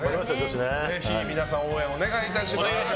ぜひ皆さん応援をお願いいたします。